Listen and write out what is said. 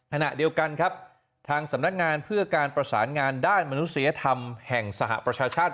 ขณะเดียวกันครับทางสำนักงานเพื่อการประสานงานด้านมนุษยธรรมแห่งสหประชาชาติ